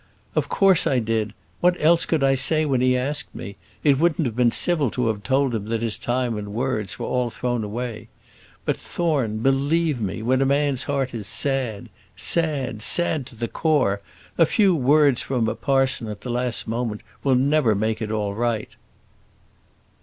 "Of course I did. What else could I say when he asked me? It wouldn't have been civil to have told him that his time and words were all thrown away. But, Thorne, believe me, when a man's heart is sad sad sad to the core, a few words from a parson at the last moment will never make it all right."